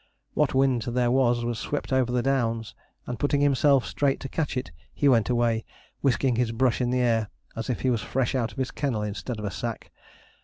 What wind there was swept over the downs; and putting himself straight to catch it, he went away whisking his brush in the air, as if he was fresh out of his kennel instead of a sack.